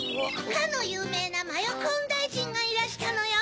かのゆうめいなマヨコーンだいじんがいらしたのよ。